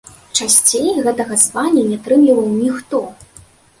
Часцей гэтага звання не атрымліваў ніхто.